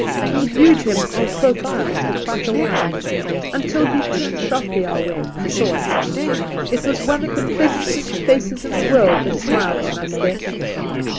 ' We viewed him en profile for quite awhile, until he turned shasrply our way and saw us. It was one of the pleasantest faces in the world that smiled on us then.